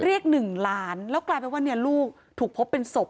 เรียก๑ล้านแล้วกลายเป็นว่าเนี่ยลูกถูกพบเป็นศพ